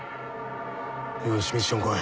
よしミッションこい。